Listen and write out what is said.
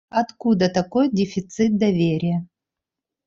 Откуда такой дефицит доверия?